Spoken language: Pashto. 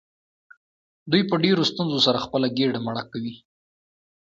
دوی په ډیرو ستونزو سره خپله ګیډه مړه کوي.